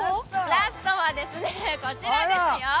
ラストはこちらですよ。